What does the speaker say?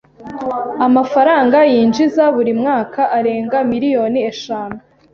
Amafaranga yinjiza buri mwaka arenga miliyoni eshanu